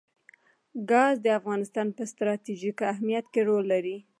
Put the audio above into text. ګاز د افغانستان په ستراتیژیک اهمیت کې رول لري.